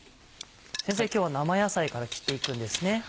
今日は生野菜から切って行くんですね。